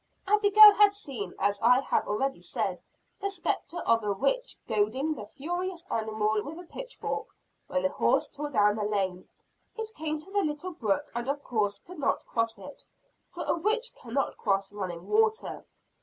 Abigail had seen, as I have already said, the spectre of a witch goading the furious animal with a pitchfork. When the horse tore down the lane, it came to the little brook and of course could not cross it for a witch cannot cross running water.